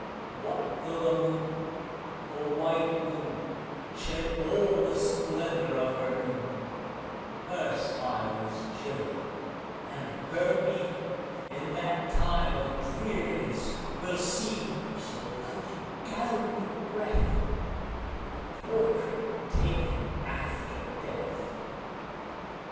What tho' the moon the white moon Shed all the splendour of her noon, Her smile is chilly, and her beam, In that time of dreariness, will seem (So like you gather in your breath) A portrait taken after death.